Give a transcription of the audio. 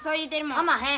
かまへん。